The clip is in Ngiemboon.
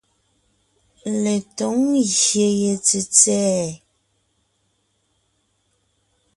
Letǒŋ ngyè ye tsètsɛ̀ɛ.